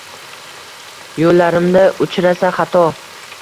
Yoʻllarimda uchrasa xato